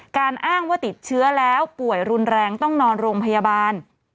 อ้างว่าติดเชื้อแล้วป่วยรุนแรงต้องนอนโรงพยาบาล